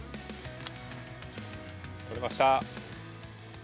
取れました。